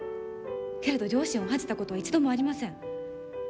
けれど、両親を恥じたことは一度もありません。